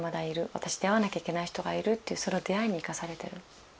私出会わなきゃいけない人がいるっていうその出会いに生かされてる。